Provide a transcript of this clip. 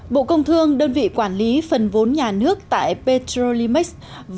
bộ công thương đơn vị quản lý phần vốn nhà nước tại petrolimax